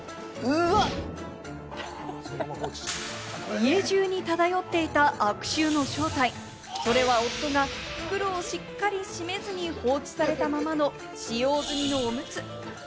家中に漂っていた悪臭の正体、それは夫が袋をしっかり閉めずに放置されたままの使用済みのオムツ。